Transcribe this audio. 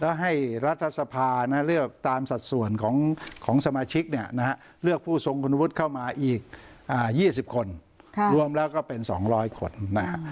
แล้วให้รัฐสภานะเลือกตามสัดส่วนของของสมาชิกเนี้ยนะฮะเลือกผู้ทรงคุณพุทธเข้ามาอีกอ่ายี่สิบคนค่ะรวมแล้วก็เป็นสองร้อยคนนะฮะ